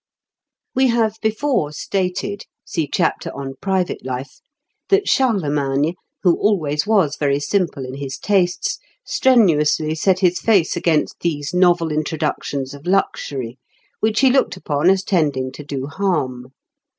] We have before stated (see chapter on Private Life) that Charlemagne, who always was very simple in his tastes, strenuously set his face against these novel introductions of luxury, which he looked upon as tending to do harm.